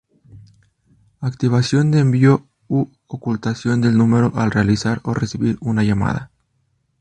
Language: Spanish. Activación de envío u ocultación del número al realizar o recibir una llamada.